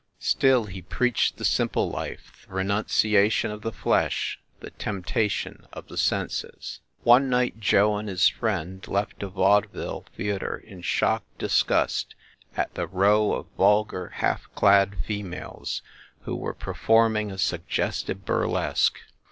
Still he preached the simple life, the renunciation of the flesh, the temptation of the senses. One night Joe and his friend left a vaudeville the ater in shocked disgust at the row of vulgar, half clad females, who were performing a suggestive burlesque.